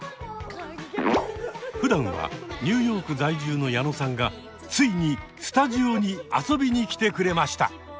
ふだんはニューヨーク在住の矢野さんがついにスタジオに遊びに来てくれました！